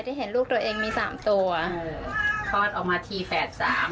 ที่เห็นลูกตัวเองมีสามตัวคลอดออกมาทีแฝดสาม